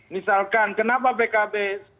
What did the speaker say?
misalkan kenapa pkb